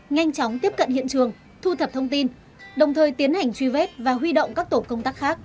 nhanh chóng tiếp cận hiện trường thu thập thông tin đồng thời tiến hành truy vết và huy động các tổ công tác khác